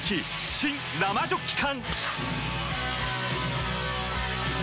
新・生ジョッキ缶！